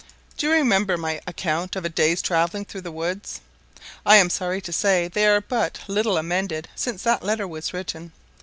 Do you remember my account of a day's travelling through the woods? I am sorry to say they are but little amended since that letter was written.